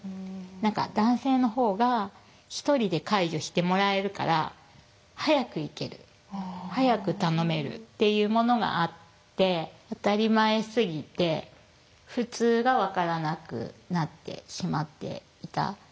何か男性のほうが１人で介助してもらえるから早く行ける早く頼めるっていうものがあって当たり前すぎて普通が分からなくなってしまっていた。